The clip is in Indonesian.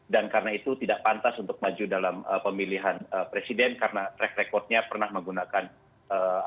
dan karena itu tidak pantas untuk maju dalam pemilihan presiden karena track record nya pernah menggunakan politisasi agama